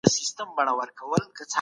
زه د خپلي کورنۍ سره مینه کوم.